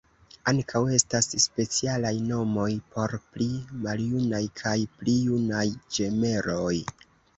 Ankaŭ estas specialaj nomoj por pli maljunaj kaj pli junaj ĝemeloj.